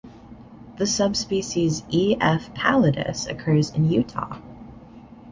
The subspecies "E. f. pallidus" occurs in Utah.